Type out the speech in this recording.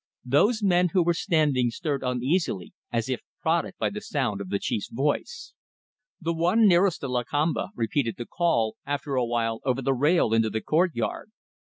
Those men who were standing stirred uneasily as if prodded by the sound of the chief's voice. The one nearest to Lakamba repeated the call, after a while, over the rail into the courtyard.